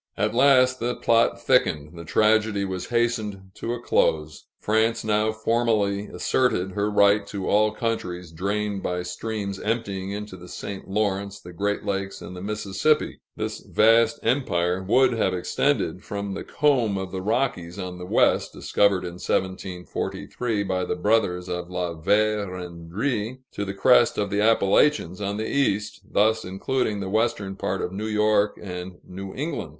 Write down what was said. At last, the plot thickened; the tragedy was hastened to a close. France now formally asserted her right to all countries drained by streams emptying into the St. Lawrence, the Great Lakes, and the Mississippi. This vast empire would have extended from the comb of the Rockies on the west discovered in 1743 by the brothers La Vérendrye to the crest of the Appalachians on the east, thus including the western part of New York and New England.